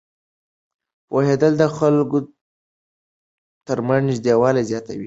پوهېدل د خلکو ترمنځ نږدېوالی زیاتوي.